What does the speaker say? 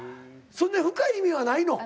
そんな深い意味はないの？